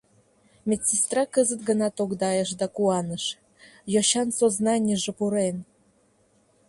Медсестра кызыт гына тогдайыш да куаныш: йочан сознанийже пурен!